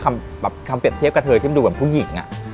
แบบคำเปรียบเทียบกับเธอที่มันดูแบบผู้หญิง